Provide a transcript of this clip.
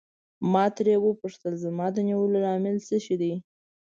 ما ترې وپوښتل زما د نیولو لامل څه شی دی.